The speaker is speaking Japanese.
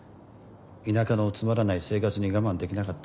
田舎のつまらない生活に我慢出来なかったんです。